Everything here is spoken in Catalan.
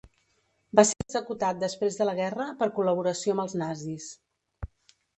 Va ser executat després de la guerra per col·laboració amb els nazis.